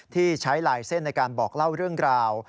ที่ใช้ลายเส้นในการบอกเล่าเรื่องราว